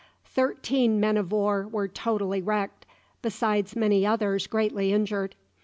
Thirteen men of war were totally wrecked, besides many others greatly injured.